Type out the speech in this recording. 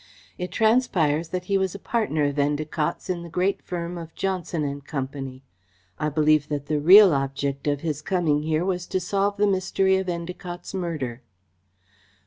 It transpires that he was a partner of Endacott's in the great firm of Johnson and Company. I believe that the real object of his coming here was to solve the mystery of Endacott's murder."